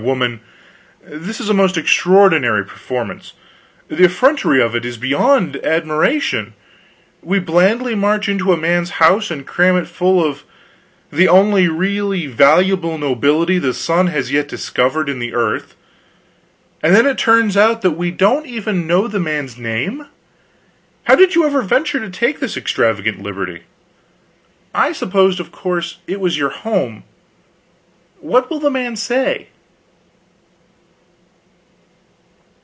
"Why, woman, this is a most extraordinary performance. The effrontery of it is beyond admiration. We blandly march into a man's house, and cram it full of the only really valuable nobility the sun has yet discovered in the earth, and then it turns out that we don't even know the man's name. How did you ever venture to take this extravagant liberty? I supposed, of course, it was your home. What will the man say?"